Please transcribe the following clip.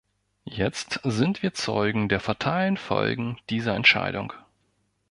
Jetzt sind wir Zeugen der fatalen Folgen dieser Entscheidung.